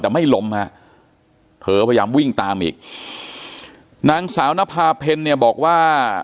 แต่ไม่ล้มฮะเธอพยายามวิ่งตามอีกนางสาวนภาเพลเนี่ยบอกว่า